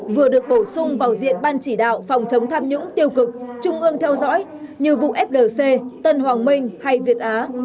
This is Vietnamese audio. vừa được bổ sung vào diện ban chỉ đạo phòng chống tham nhũng tiêu cực trung ương theo dõi như vụ flc tân hoàng minh hay việt á